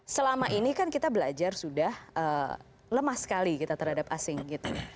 selama ini kan kita belajar sudah lemah sekali kita terhadap asing gitu